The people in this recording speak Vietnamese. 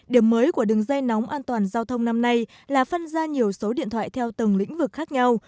điểm mới của đường dây nóng an toàn giao thông năm nay là phân ra nhiều số điện thoại theo từng lĩnh vực khác nhau